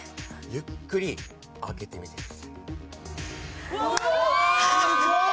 ゆっくり開けてみてくださいうわすごっ！